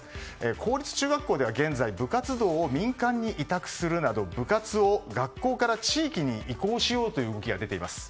公立中学校では現在部活動を民間に委託するなど部活動を学校から地域に移行しようという動きが出ています。